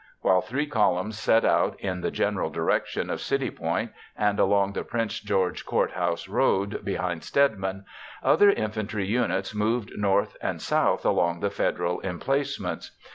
While three columns set out in the general direction of City Point and along the Prince George Court House Road behind Stedman, other infantry units moved north and south along the Federal emplacements.